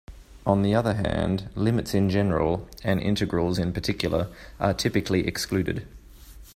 On the other hand, limits in general, and integrals in particular, are typically excluded.